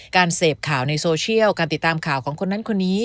การเสพข่าวในโซเชียลการติดตามข่าวของคนนั้นคนนี้